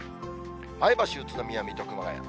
前橋、宇都宮、水戸、熊谷。